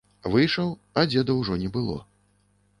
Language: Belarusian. Выйшаў, а дзеда ўжо не было.